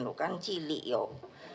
lu kan cili yuk